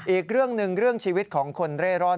อีกเรื่องหนึ่งเรื่องชีวิตของคนเร่ร่อน